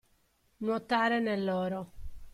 Nuotare nell'oro.